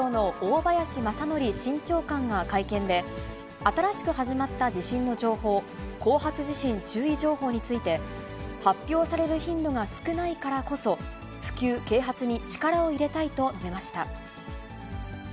気象庁の大林正典新長官が会見で、新しく始まった地震の情報、後発地震注意情報について、発表される頻度が少ないからこそ、普及、啓発に力を入れたいと述べました。